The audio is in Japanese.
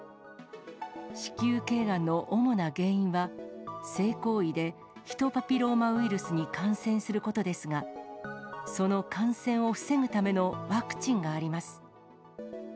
子宮けいがんの主な原因は、性行為でヒトパピローマウイルスに感染することですが、その感染を防ぐためのワクチンがあります。